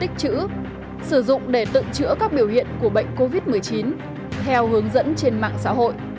tích chữ sử dụng để tự chữa các biểu hiện của bệnh covid một mươi chín theo hướng dẫn trên mạng xã hội